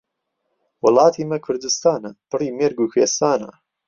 وڵاتی مە کوردستانە، پڕی مێرگ و کوێستانە.